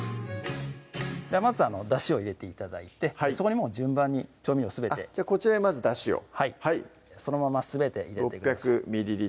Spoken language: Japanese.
まずだしを入れて頂いてそこに順番に調味料すべてこちらにまずだしをはいそのまますべて入れていきます